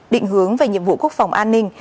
định hướng về nhiệm vụ quốc phòng an ninh